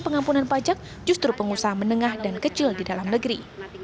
pengampunan pajak justru pengusaha menengah dan kecil di dalam negeri